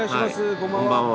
こんばんは。